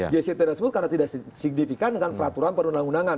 jct tersebut karena tidak signifikan dengan peraturan perundang undangan